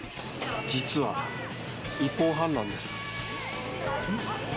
実は１本半なんです。